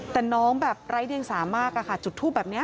แต่น้องแบบไร้เดียงสามากจุดทูปแบบนี้